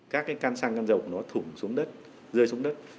các cái can sang can rộng nó thủng xuống đất rơi xuống đất